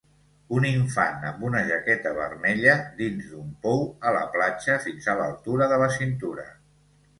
Un infant amb una jaqueta vermella, dins d'un pou a la platja fins a l'altura de la cintura.